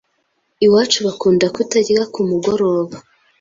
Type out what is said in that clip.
Iwacu bakunda kutarya kumugoroba